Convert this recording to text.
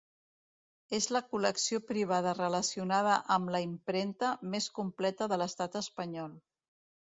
És la col·lecció privada relacionada amb la impremta més completa de l'estat espanyol.